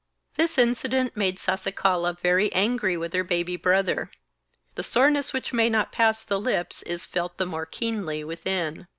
This incident made Sasikala very angry with her baby brother. The soreness which may not pass the lips is felt the more keenly within.